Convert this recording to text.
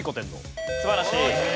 素晴らしい。